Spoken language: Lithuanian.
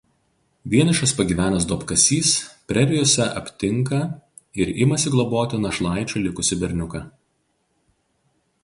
Vienišas pagyvenęs duobkasys prerijose aptinka ir imasi globoti našlaičiu likusį berniuką.